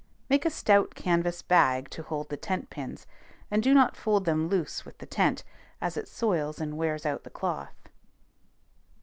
Make a stout canvas bag to hold the tent pins; and do not fold them loose with the tent, as it soils and wears out the cloth.